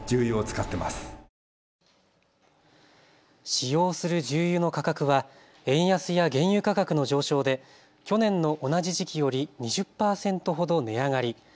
使用する重油の価格は円安や原油価格の上昇で去年の同じ時期より２０％ほど値上がり。